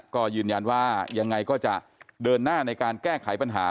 ก็ยืนยันว่ายังไงก็จะเดินหน้าในการแก้ไขปัญหา